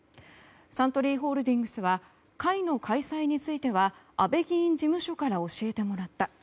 サントリーホールディングスは会の開催については安倍議員事務所から教えてもらった。